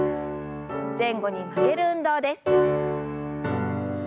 前後に曲げる運動です。